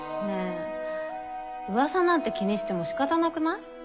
ねえ噂なんて気にしてもしかたなくない？